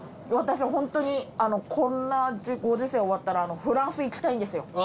私ホントにこんなご時世終わったらフランス行きたいんですよ。